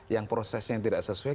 yang prosesnya tidak sesuai